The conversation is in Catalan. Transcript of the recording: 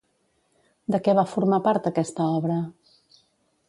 De què va formar part aquesta obra?